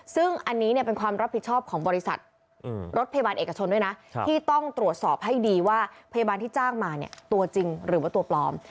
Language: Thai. ซึ่งอันนี้เป็นความรับผิดชอบของบริษัทรถพยาบาลเอกชนด้วยนะที่ต้องตรวจสอบให้ดีว่าพยาบาลที่จ้างมาเนี่ยตัวจริงหรือว่าตัวปลอม